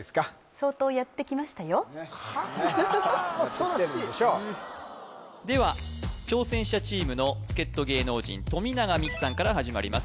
恐ろしいっやってきてるんでしょうでは挑戦者チームの助っ人芸能人富永美樹さんから始まります